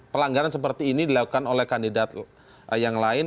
pelanggaran seperti ini dilakukan oleh kandidat yang lain